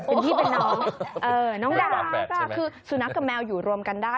เป็นพี่เป็นน้องน้องดาคือสุนัขกับแมวอยู่รวมกันได้